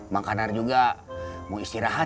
mak kandar juga mau istirahat